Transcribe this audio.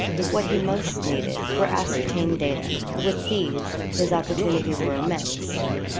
What he most needed were ascertained data. With these his opportunities were immense.